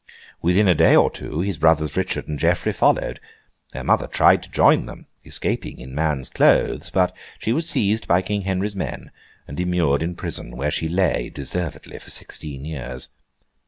Within a day or two, his brothers Richard and Geoffrey followed. Their mother tried to join them—escaping in man's clothes—but she was seized by King Henry's men, and immured in prison, where she lay, deservedly, for sixteen years.